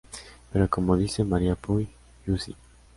Pero como dice María Puy Huici,